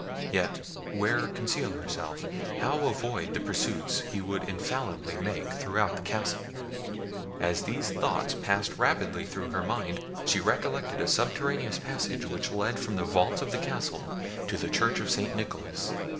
Yet where conceal herself? How avoid the pursuit he would infallibly make throughout the castle? As these thoughts passed rapidly through her mind, she recollected a subterraneous passage which led from the vaults of the castle to the church of St. Nicholas.